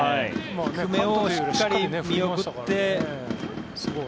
低めをしっかり見送って。